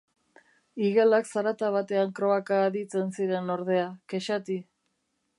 Igelak zarata batean kroaka aditzen ziren ordea, kexati.